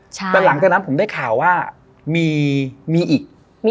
แต่หลังจากนั้นผมได้ข่าวว่ามีอีก